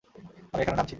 আমি এখানে নামছি।